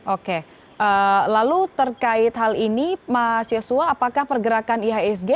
oke lalu terkait hal ini mas yosua apakah pergerakan ihsg